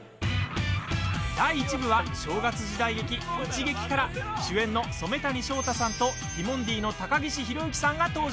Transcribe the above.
第１部は正月時代劇「いちげき」から主演の染谷将太さんとティモンディの高岸宏行さんが登場。